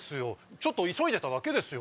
ちょっと急いでただけですよ。